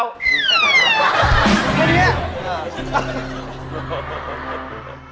เมื่อนี้